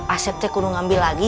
asep teh kudu ngambil lagi